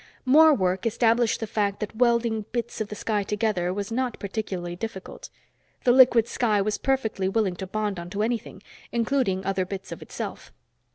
More work established the fact that welding bits of the sky together was not particularly difficult. The liquid sky was perfectly willing to bond onto anything, including other bits of itself.